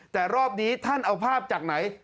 แต่รอบนี้ท่านเอาภาพจากไหน